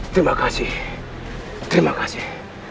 terima kasih terima kasih